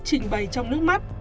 trình bày trong nước mắt